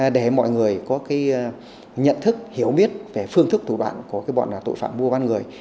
để mọi người có nhận thức hiểu biết về phương thức thủ đoạn của bọn tội phạm mua bán người